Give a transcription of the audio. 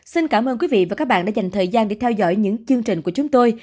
xin cảm ơn quý vị và các bạn đã dành thời gian để theo dõi những chương trình của chúng tôi